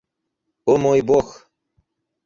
О мой бог!